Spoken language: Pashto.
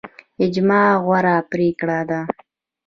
اجماع غوره پریکړه ده